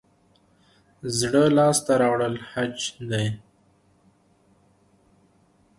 زړه لاس ته راوړل حج دی